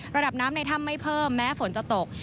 ระดับน้ำในถ้ำไม่เพิ่มแม้ฝนจะตก